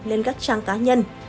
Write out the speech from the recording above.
lên các trang cá nhân